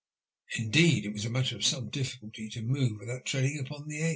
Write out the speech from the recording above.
Indeed, it was a matter of some difficulty to move without treading upon the eggs.